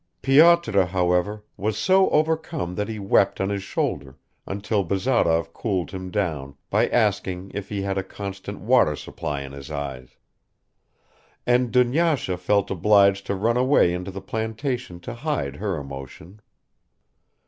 Pyotr, however, was so overcome that he wept on his shoulder, until Bazarov cooled him down by asking if he had a constant water supply in his eyes; and Dunyasha felt obliged to run away into the plantation to hide her emotion.